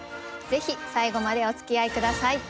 ぜひ最後までおつきあい下さい。